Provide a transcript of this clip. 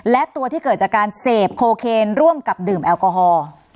และตัวที่เกิดจากการเสพโคเคนร่วมกับดื่มแอลกอฮอล์